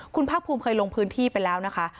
คุณภาคภูมิเคยลงพื้นที่ไปแล้วนะคะ